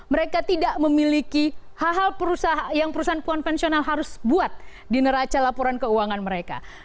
mereka tidak memiliki hal hal yang perusahaan konvensional harus buat di neraca laporan keuangan mereka